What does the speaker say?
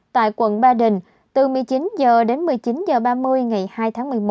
tại quận ba đình từ một mươi chín h đến một mươi chín h ba mươi ngày hai tháng một mươi một